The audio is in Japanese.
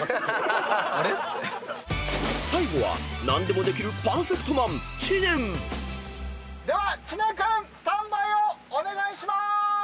［最後は何でもできるパーフェクトマン］では知念君スタンバイをお願いしまーす！